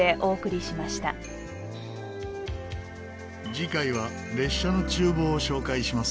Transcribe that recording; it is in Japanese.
次回は列車の厨房を紹介します。